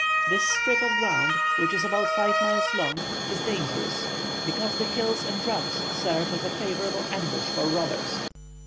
This strip of ground, which is about five miles long, is dangerous, because the hills and rocks serve as a favourable ambush for robbers.